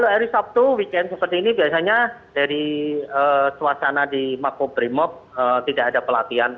hari sabtu weekend seperti ini biasanya dari suasana di makobrimob tidak ada pelatihan